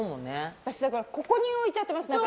私だからここに置いちゃってますいつも。